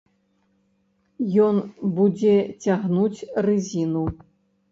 Ён будзе цягнуць рызіну.